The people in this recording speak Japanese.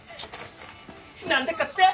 何でかって？